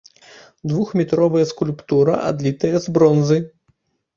Двухметровая скульптура адлітая з бронзы.